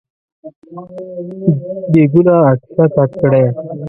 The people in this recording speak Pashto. دېګونه راکښته کړی !